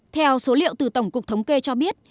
theo số liệu từ tổng cục thống kê cho biết